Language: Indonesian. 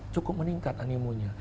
karena ini sudah meningkat animunya